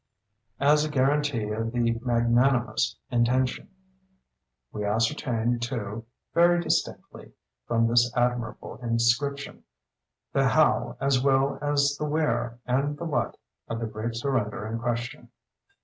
as a guarantee of the magnanimous intention. We ascertain, too, very distinctly, from this admirable inscription, the how as well as the where and the what, of the great surrender in question.